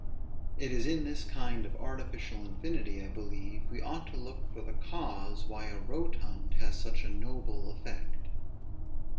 It is in this kind of artificial infinity, I believe, we ought to look for the cause why a rotund has such a noble effect.